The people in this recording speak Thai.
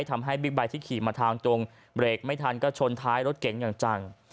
บิ๊กไบท์ที่ขี่มาทางตรงเบรกไม่ทันก็ชนท้ายรถเก๋งอย่างจัง